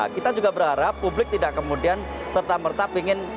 kita juga berharap publik tidak kemudian serta merta pengen